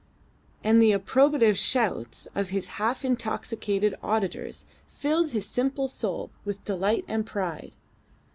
And the approbative shouts of his half intoxicated auditors filled his simple soul with delight and pride.